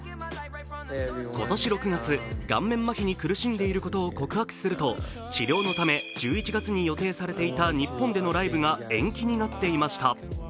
今年６月、顔面まひに苦しんでいることを告白すると、治療のため１１月に予定されていた日本でのライブが延期になっていました。